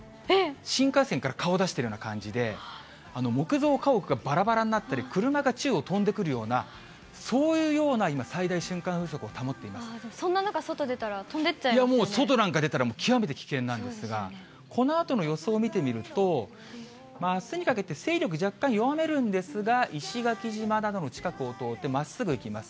新幹線から顔出してるような感じで、木造家屋がばらばらになったり、車が宙を飛んでくるような、そういうような今、そんな中、外出たら、飛んでもう外なんか出たら、極めて危険なんですが、このあとの予想を見てみると、あすにかけて勢力、若干弱めるんですが、石垣島などの近くを通ってまっすぐ行きます。